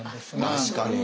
確かに。